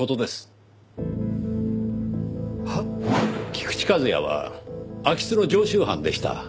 菊池和哉は空き巣の常習犯でした。